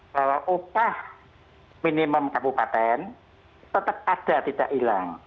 bahwa upah minimum kabupaten tetap ada tidak hilang